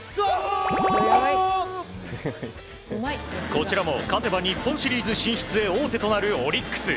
こちらも勝てば日本シリーズ進出へ王手となるオリックス。